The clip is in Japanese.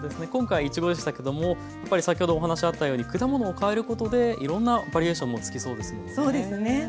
今回いちごでしたけどもやっぱり先ほどお話あったように果物を変えることでいろんなバリエーションもつきそうですもんね。